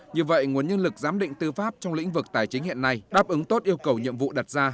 như vậy nguồn nhân lực giám định tư pháp trong lĩnh vực tài chính hiện nay đáp ứng tốt yêu cầu nhiệm vụ đặt ra